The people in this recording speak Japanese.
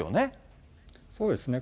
そうですね。